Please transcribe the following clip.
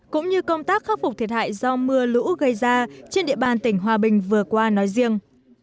cũng như công tác khắc phục thiệt hại do mưa lũ gây ra trên địa bàn tỉnh hòa bình vừa qua nói riêng